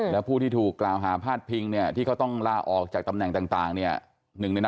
แล้วผู้ที่ถูกกล่าวหาพาดพิงเนี่ยที่เขาต้องลาออกจากตำแหน่งต่างเนี่ย